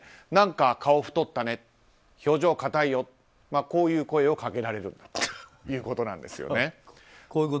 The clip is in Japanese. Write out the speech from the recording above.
何か顔太ったね、表情が硬いよこういう声をかけられるということなんですね。